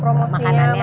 promosi makanan nya